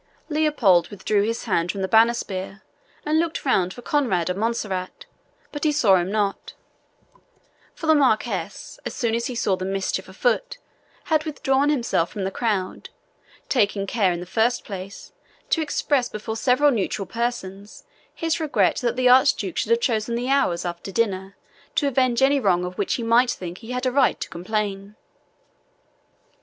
Leopold withdrew his hand from the banner spear, and looked round for Conrade of Montserrat, but he saw him not; for the Marquis, so soon as he saw the mischief afoot, had withdrawn himself from the crowd, taking care, in the first place, to express before several neutral persons his regret that the Archduke should have chosen the hours after dinner to avenge any wrong of which he might think he had a right to complain.